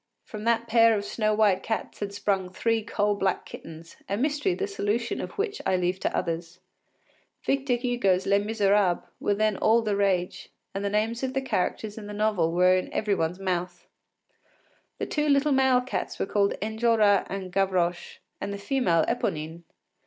From that pair of snow white cats had sprung three coal black kittens, a mystery the solution of which I leave to others. Victor Hugo’s “Les Misérables” were then all the rage, and the names of the characters in the novel were in every one’s mouth. The two little male cats were called Enjolras and Gavroche, and the female Eponine.